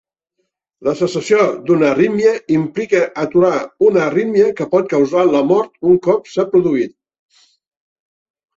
La cessació d'una arrítmia implica aturar una arrítmia que pot causar la mort un cop s'ha produït.